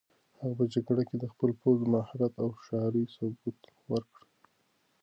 هغه په جګړه کې د خپل پوځي مهارت او هوښیارۍ ثبوت ورکړ.